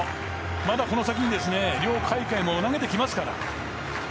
まだこの先にリョ・カイカイも投げてきますから。